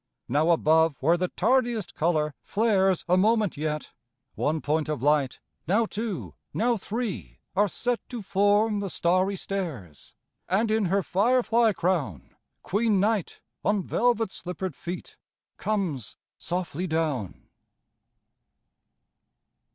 Now above where the tardiest color flares a moment yet, One point of light, now two, now three are set To form the starry stairs,— And, in her fire fly crown, Queen Night, on velvet slippered feet, comes softly down.